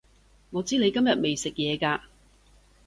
我知你今日未食嘢㗎